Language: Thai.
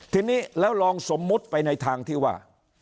ทีนี้แล้วลองสมมุติไปในทางที่ว่า